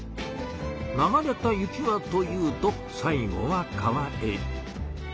流れた雪はというと最後は川へ。